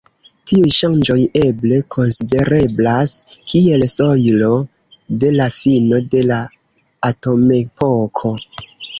Tiuj ŝanĝoj eble konsidereblas kiel sojlo de la fino de la atomepoko.